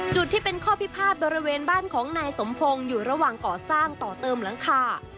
จุดที่เป็นข้อพิพาทบริเวณบ้านของนายสมพงศ์อยู่ระหว่างก่อสร้างต่อเติมหลังคา